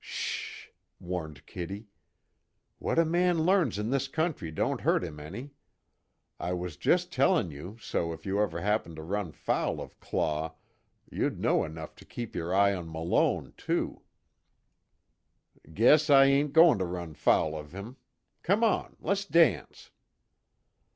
"Sh sh sh," warned Kitty, "What a man learns in this country don't hurt him any. I was just telling you so if you ever happened to run foul of Claw, you'd know enough to keep your eye on Malone, too." "Guess I ain't goin' to run foul of him. Come on, let's dance."